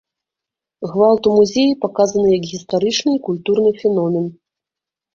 Гвалт у музеі паказаны як гістарычны і культурны феномен.